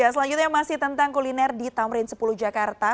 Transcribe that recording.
selanjutnya masih tentang kuliner di tamrin sepuluh jakarta